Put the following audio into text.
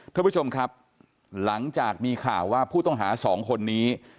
ท่านผู้ชมครับหลังจากมีข่าวว่าผู้ต้องหาสองคนนี้